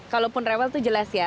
kalaupun rewel itu jelas ya